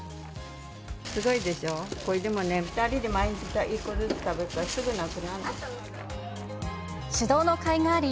すごいでしょ、これでもね、２人で毎日１個ずつ食べるから、すぐなくなる。